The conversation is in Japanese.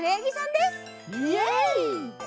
イエイ！